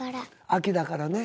秋だからね。